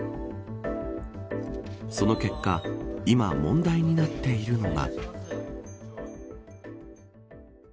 その結果今、問題になっているのが。